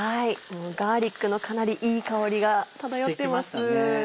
ガーリックのかなりいい香りが漂ってます。